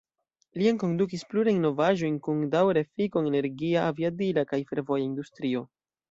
Li enkondukis plurajn novaĵojn kun daŭra efiko en energia, aviadila kaj fervoja industrioj.